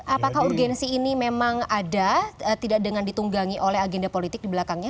apakah urgensi ini memang ada tidak dengan ditunggangi oleh agenda politik di belakangnya